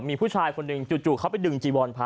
มีผู้ชายคนหนึ่งจู่เขาไปดึงจีวรพระ